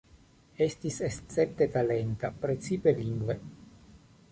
Estis escepte talenta, precipe lingve.